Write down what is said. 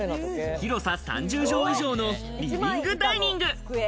広さ３０畳以上のリビングダイニング。